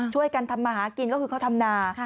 ช่วยกันทำมาหากินก็คือเขาทำนา